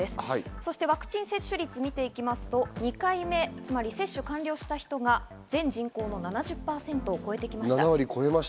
そしてワクチン接種率を見てきますと２回目接種完了者した人が全人口の７０％を超えてきました。